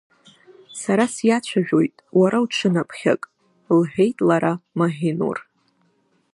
Сара сиацәажәоит, уара уҽынаԥхьак, – лҳәеит лара, Маҳинур.